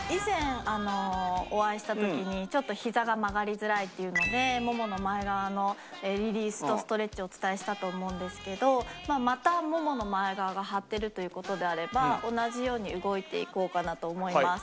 ちょっとひざが曲がりづらいっていうのでももの前側のリリースとストレッチをお伝えしたと思うんですけどまたももの前側が張ってるという事であれば同じように動いていこうかなと思います。